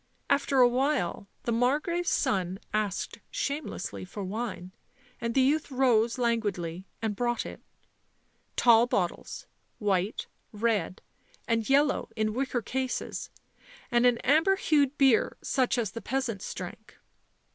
After a while the Margrave's son asked shamelessly for wine, and the youth rose languidly and brought it ; tall bottles, white, red and yellow in wicker cases, and an amber hued beer such as the peasants drank.